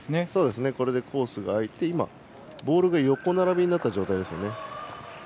これでコースが空いて今ボールが横並びになった状態ですよね。